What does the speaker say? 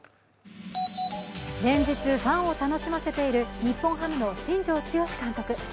連日、ファンを楽しませている日本ハムの新庄剛志監督。